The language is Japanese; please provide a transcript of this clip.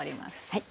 はい。